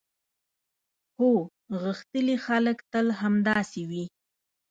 هو، غښتلي خلک تل همداسې وي.